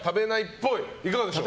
いかがでしょう。